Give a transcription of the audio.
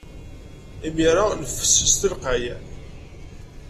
Imir-a, neffes s telqey.